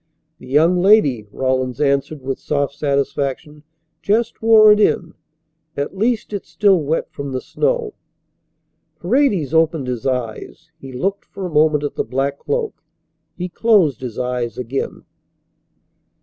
"The young lady," Rawlins answered with soft satisfaction, "just wore it in. At least it's still wet from the snow." Paredes opened his eyes. He looked for a moment at the black cloak. He closed his eyes again.